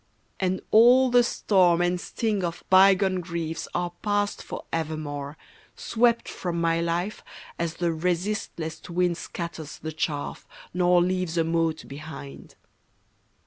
And all the storm and sting Of bygone griefs are passed forevermore, Swept from my life as the resistless wind Scatters the chaff, nor leaves a mote behind.